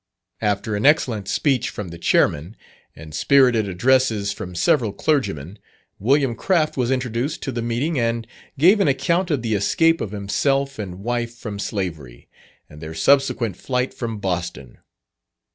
After an excellent speech from the Chairman, and spirited addresses from several clergymen, William Craft was introduced to the meeting, and gave an account of the escape of himself and wife from slavery, and their subsequent flight from Boston.